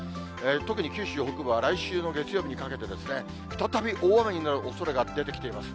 特に九州北部は来週の月曜日にかけて、再び大雨になるおそれが出てきています。